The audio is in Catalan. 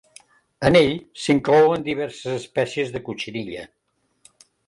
En ell s'inclouen diverses espècies de cotxinilla.